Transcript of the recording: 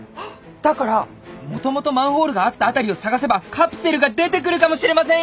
だからもともとマンホールがあった辺りを捜せばカプセルが出てくるかもしれませんよ！